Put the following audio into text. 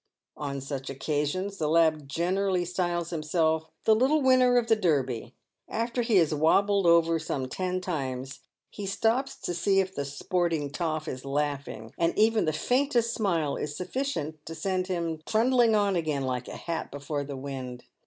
On such occasions the lad generally styles himself " The little winner of the Derby." After he has wabbled over some ten times, he stops to see if the " sporting toff" is laughing, and even the faintest smile is sufficient to send him trundling on again like a hat before the wind.